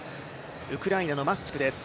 ウクライナのマフチクです。